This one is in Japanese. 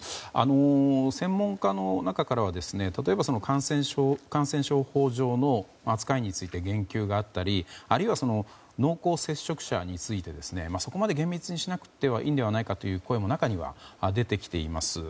専門家の中からは例えば、感染症法上の扱いについて言及があったりあるいは濃厚接触者についてそこまで厳密にしなくてもいいのではないかという声も中には出てきています。